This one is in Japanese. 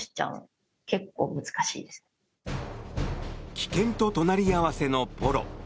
危険と隣り合わせのポロ。